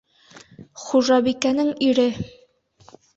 Хужабикәнең ире.